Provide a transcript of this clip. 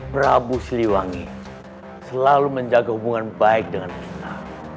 prabu siliwangi selalu menjaga hubungan baik dengan kita